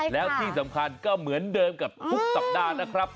แล้วที่สำคัญก็เหมือนเดิมกับทุกสัปดาห์นะครับ